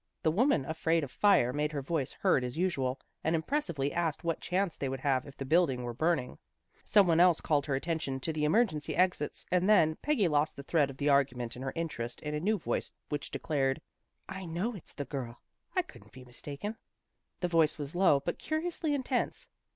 The woman afraid of fire made her voice heard as usual, and impressively asked what chance they would have if the building were burning. Someone else called her attention to the emer gency exits, and then Peggy lost the thread of the argument in her interest in a new voice which declared, " I know it's the girl. I couldn't be mistaken." The voice was low but curiously intense.